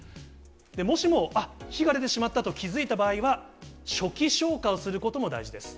もしも、あっ、火が出てしまったと気付いた場合は、初期消火をすることも大事です。